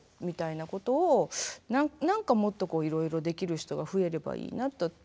みたいなことを何かもっといろいろできる人が増えればいいなと。